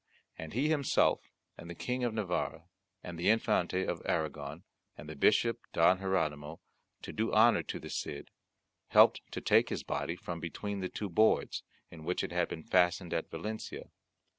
And he himself, and the King of Navarre and the Infante of Aragon, and the Bishop Don Hieronymo, to do honour to the Cid, helped to take his body from between the two boards, in which it had been fastened at Valencia.